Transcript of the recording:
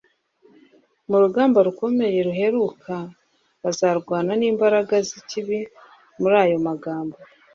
mu rugamba rukomeye ruheruka buzarwana n'imbaraga z'ikibi muri aya magambo